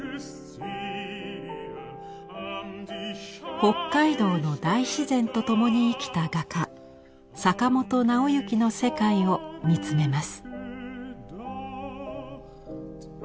北海道の大自然と共に生きた画家坂本直行の世界を見つめます。